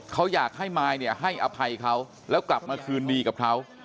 เขาอยากให้มายเนี่ยให้อภัยเขาแล้วกลับมาคืนดีกับเขา